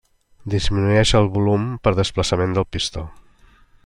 Disminueix el volum per desplaçament del pistó.